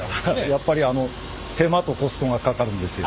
やっぱりあの手間とコストがかかるんですよ。